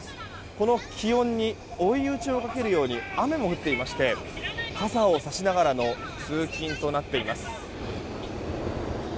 この気温に追い打ちをかけるように雨も降っていまして傘を差しながらの通勤となっています。